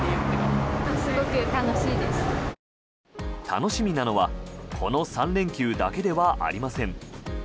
楽しみなのはこの３連休だけではありません。